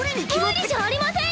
無理じゃありませんよ！